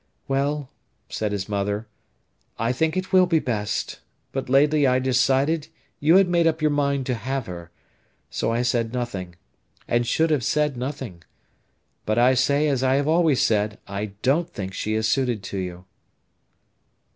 "Well," said his mother, "I think it will be best. But lately I decided you had made up your mind to have her, so I said nothing, and should have said nothing. But I say as I have always said, I don't think she is suited to you."